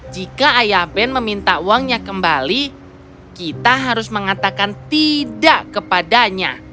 jika ayah ben meminta uangnya kembali kita harus mengatakan tidak kepadanya